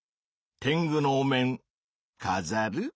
てんぐのお面かざる？